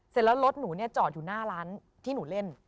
เสร็จแล้วรถหนูเนี่ยจอดอยู่หน้าร้านที่หนูเล่น